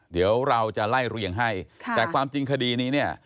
เดี๋ยวเราจะไล่เรียงให้ค่ะแต่ความจริงคดีนี้เนี่ย